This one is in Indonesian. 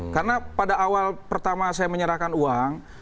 karena pada awal pertama saya menyerahkan uang